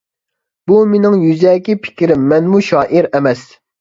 بۇ مېنىڭ يۈزەكى پىكرىم، مەنمۇ شائىر ئەمەس.